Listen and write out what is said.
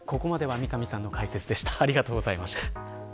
ここまでは三上さんの解説でした。